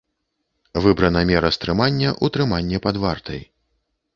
Выбрана мера стрымання — утрыманне пад вартай.